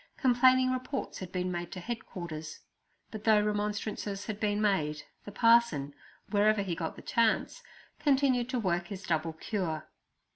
Complaining reports had been made to headquarters; but though remonstrances had been made, the parson, wherever he got the chance, continued to work his double cure.